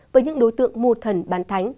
với những đối tượng mù thần bán thánh